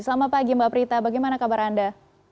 selamat pagi mbak prita bagaimana kabar anda